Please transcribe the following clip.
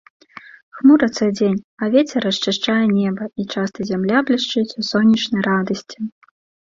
Хмурыцца дзень, а вецер расчышчае неба, і часта зямля блішчыць у сонечнай радасці.